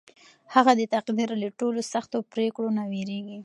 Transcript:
هغه د تقدیر له ټولو سختو پرېکړو نه وېرېږي.